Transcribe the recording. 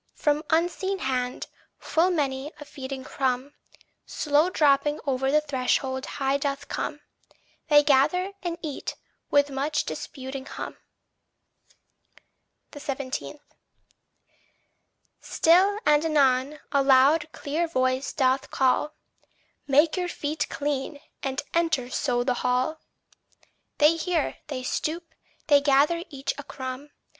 From unseen hand, full many a feeding crumb, Slow dropping o'er the threshold high doth come: They gather and eat, with much disputing hum. 17. Still and anon, a loud clear voice doth call "Make your feet clean, and enter so the hall." They hear, they stoop, they gather each a crumb.